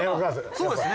そうですね。